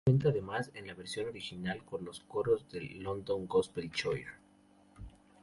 Cuenta además, en la versión original, con los coros del London Gospel Choir.